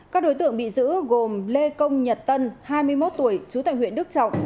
các đối tượng bị giữ gồm lê công nhật tân hai mươi một tuổi chú tài huyện đức trọng